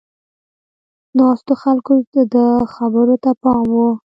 ناستو خلکو د ده خبرو ته پام و.